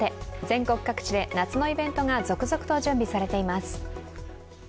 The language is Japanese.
全国各地で夏のイベントが続々と準備されています。